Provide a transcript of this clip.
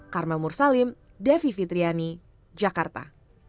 karmel mursalim devi fitriani jakarta